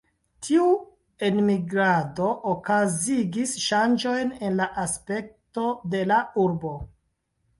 Tiu enmigrado okazigis ŝanĝojn en la aspekto de la urbo.